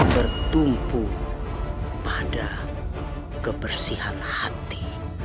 bertumpu pada kebersihan hati